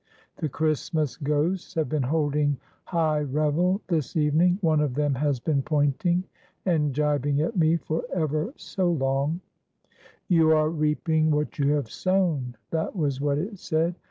The Christmas ghosts have been holding high revel this evening; one of them has been pointing and gibing at me for ever so long: 'You are reaping what you have sown,' that was what it said.